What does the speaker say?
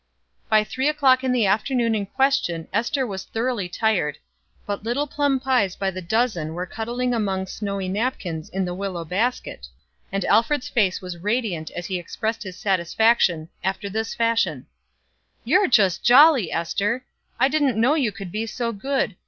By three o'clock on the afternoon in question Ester was thoroughly tired, but little plum pies by the dozen were cuddling among snowy napkins in the willow basket, and Alfred's face was radiant as he expressed his satisfaction, after this fashion: "You're just jolly, Ester! I didn't know you could be so good.